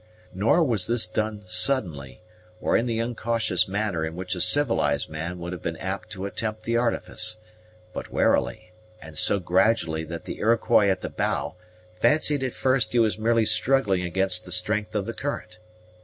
Nor was this done suddenly, or in the incautious manner in which a civilized man would have been apt to attempt the artifice, but warily, and so gradually that the Iroquois at the bow fancied at first he was merely struggling against the strength of the current.